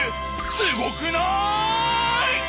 すごくない！？